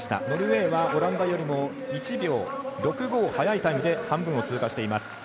ノルウェーはオランダよりも１秒６５速いタイムで半分を通過しています。